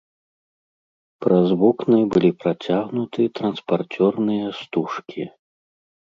Праз вокны былі працягнуты транспарцёрныя стужкі.